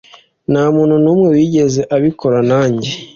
nta muntu n'umwe wigeze abikora nanjye